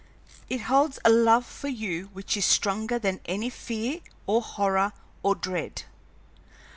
It holds a love for you which is stronger than any fear or horror or dread.